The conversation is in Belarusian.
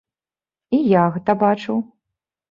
І я гэта бачыў.